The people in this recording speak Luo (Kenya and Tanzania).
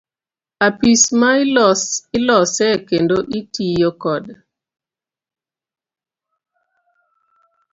Apis ma ilose kendo itiyo kode.